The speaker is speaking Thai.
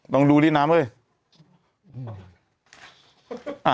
ลองดูรีดน้ำเถอะ